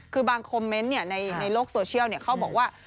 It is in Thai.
คือบางคอมเมนต์ในโลกโซเชียลเขาบอกว่า